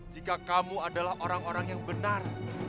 jika kamu adalah orang orang yang benar